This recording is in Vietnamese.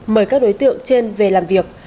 mời các đối tượng trên về làm việc